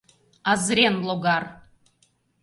Азырен логар!